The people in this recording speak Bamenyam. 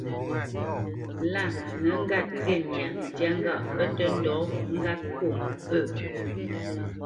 Lâ nə ŋgât ghê myǎ ntyá ŋgâʼ pə́ tə́ ndɔ̌ ŋgât mfó pə.